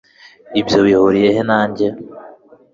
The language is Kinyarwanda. Ibyo bihuriye he nanjye